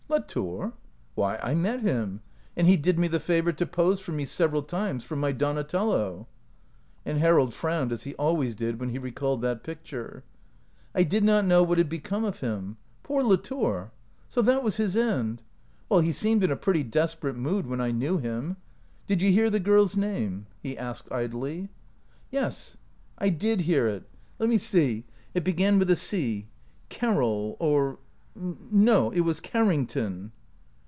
11 Latour! Why, I met him, and he did me the favor to pose for me several times for my Donatello." And Harold frowned, as he always did when he recalled that picture. " I did not know what had become of him. Poor Latour! — so that was his end. Well, he seemed in a pretty desperate mood when I knew him. Did you hear the girl's name ?" he asked, idly. " Yes, I did hear it. Let me see — it be gan with a C — Carroll — or — no, it was Carrington."